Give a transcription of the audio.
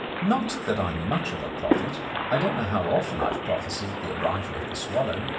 Not that I am much of a prophet. I don't know how often I have prophesied the arrival of the swallow.